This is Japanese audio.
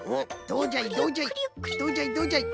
どうじゃいどうじゃい？